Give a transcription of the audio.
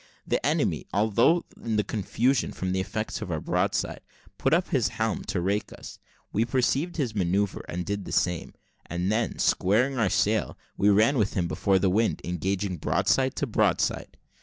The enemy, although in confusion from the effects of our broadside, put up his helm to rake us; we perceived his manoeuvre, and did the same, and then squaring our sail, we ran with him before the wind, engaging broadside to broadside.